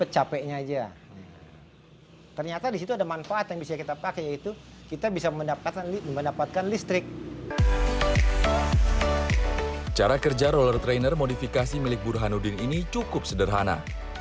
cara kerja roller trainer modifikasi milik burhanuddin ini cukup sederhana